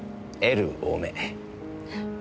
Ｌ多め？